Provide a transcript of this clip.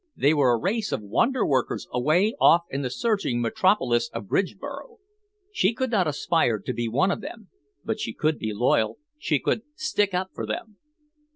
They were a race of wonder workers away off in the surging metropolis of Bridgeboro. She could not aspire to be one of them, but she could be loyal, she could "stick up" for them.